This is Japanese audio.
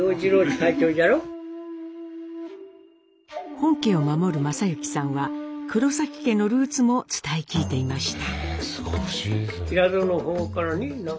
本家を守る正幸さんは黒家のルーツも伝え聞いていました。